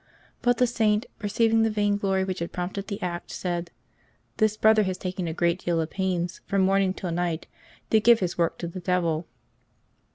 But the Saint, perceiving the vainglory which had prompted the act, said, '^ This brother has taken a great deal of pains from morning till night to give his work to the devil.